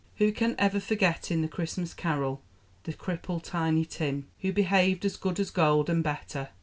Who can ever forget in the Christmas Carol the crippled Tiny Tim, "who behaved as good as gold and better.